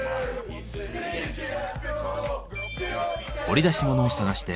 掘り出し物を探して。